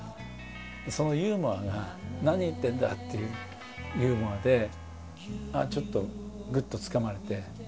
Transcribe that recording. そのユーモアが「何言ってんだー」というユーモアでちょっとぐっとつかまれて。